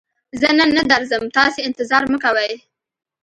زه نن نه درځم، تاسې انتظار مکوئ!